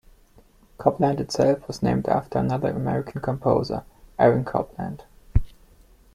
Copland itself was named after another American composer, Aaron Copland.